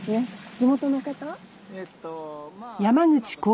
地元の方？